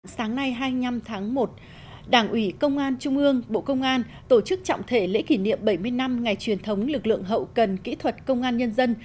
sáng nay hai mươi năm tháng một đảng ủy công an trung ương bộ công an tổ chức trọng thể lễ kỷ niệm bảy mươi năm ngày truyền thống lực lượng hậu cần kỹ thuật công an nhân dân